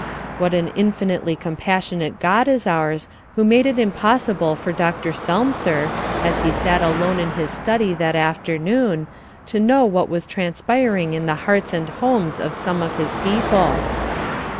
What an infinitely compassionate God is ours who made it impossible for Dr. Selmser, as he sat alone in his study that afternoon, to know what was transpiring in the hearts and homes of some of his people!